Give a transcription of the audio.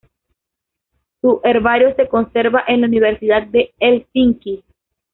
Su herbario se conserva en la Universidad de Helsinki